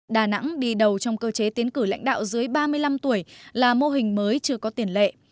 đà nẵng đi đầu trong cơ chế tiến cử lãnh đạo dưới ba mươi năm tuổi là mô hình mới chưa có tiền lệ